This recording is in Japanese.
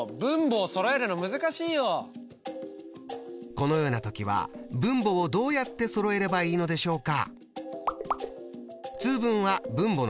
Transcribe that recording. このような時は分母をどうやってそろえればいいのでしょうか？